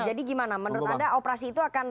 jadi gimana menurut anda operasi itu akan